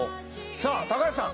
さあ高橋さん。